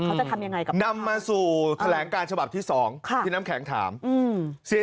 เขาจะทำยังไงกับนำมาสู่แถลงการฉบับที่๒ที่น้ำแข็งถาม